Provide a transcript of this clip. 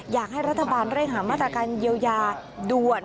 อยากให้รัฐบาลเร่งหามาตรการเยียวยาด่วน